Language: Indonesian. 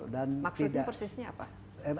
maksudnya persisnya apa